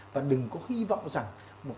và đừng có hy vọng rằng